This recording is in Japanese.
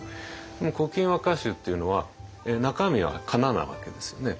「古今和歌集」っていうのは中身はかななわけですよね。